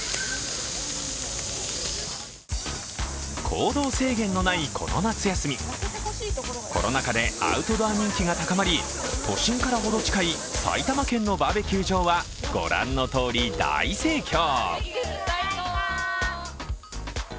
行動制限のないこの夏休み、コロナ禍でアウトドア人気が高まり都心からほど近い埼玉県のバーベキュー場は御覧のとおり大盛況。